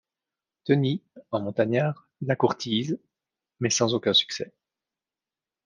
Toni, un montagnard, la courtise, mais sans aucun succès.